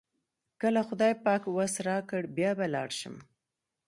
کله خدای پاک وس راکړ بیا به لاړ شم.